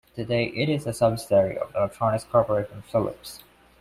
Today it is a subsidiary of electronics corporation Philips.